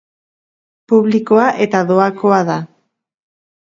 Publikoa eta doakoa da.